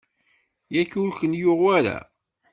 Yak ur ken-yuɣ wara?